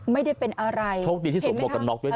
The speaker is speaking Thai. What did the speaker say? ไม่ได้เป็นอะไรโชคดีที่สวมหวกกันน็อกด้วยนะ